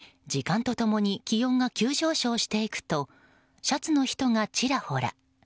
しかし、時間と共に気温が急上昇していくとシャツの人が、ちらほら。